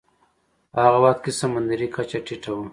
په هغه وخت کې سمندرې کچه ټیټه وه.